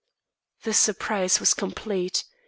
The surprise was complete.